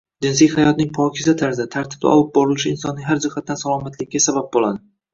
Jinsiy hayotning pokiza tarzda, tartibli olib borilishi insonning har jihatdan salomatligiga sabab bo’ladi.